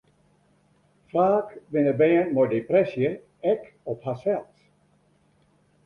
Faak binne bern mei depresje ek op harsels.